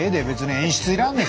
演出いらんねん